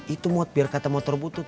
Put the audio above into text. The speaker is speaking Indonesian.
itu mut biar kata motor butut